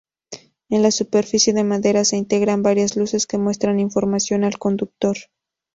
En la superficie de madera se integran varias luces que muestran información al conductor.